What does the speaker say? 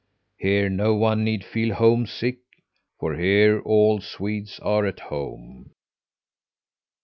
Here no one need feel homesick, for here all Swedes are at home.